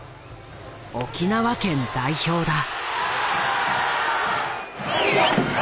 沖縄県代表だ。